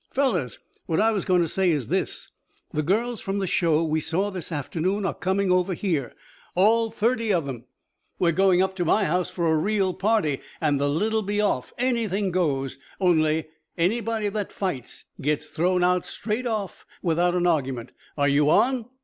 "Fellows! What I was going to say is this: the girls from the show we saw this afternoon are coming over here all thirty of 'em. We're going up to my house for a real party. And the lid'll be off. Anything goes only anybody that fights gets thrown out straight off without an argument. Are you on?"